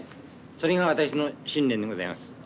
それが私の信念でございます